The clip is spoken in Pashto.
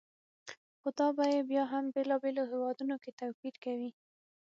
خو دا بیې بیا هم بېلابېلو هېوادونو کې توپیر کوي.